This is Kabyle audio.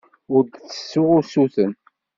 Ur d-ttessuɣ usuten.